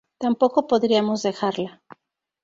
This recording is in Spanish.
Tampoco podríamos dejarla.